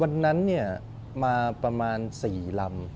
วันนั้นมาประมาณ๔ลำ